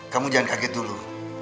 kamu jangan kaget dulu